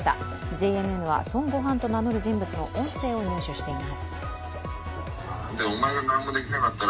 ＪＮＮは孫悟飯と名乗る人物の音声を入手しています。